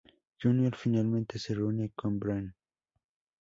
Junior finalmente se reúne con Ben.